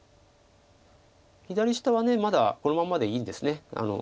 左下はまだこのままでいいんです。